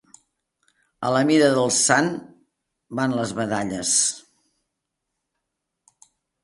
A la mida del sant van les medalles.